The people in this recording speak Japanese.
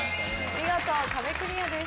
見事壁クリアです。